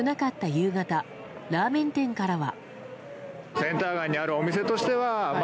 夕方ラーメン店からは。